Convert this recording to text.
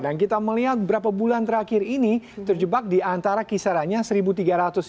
dan kita melihat berapa bulan terakhir ini terjebak di antara kisaranya us dollar per troy ounce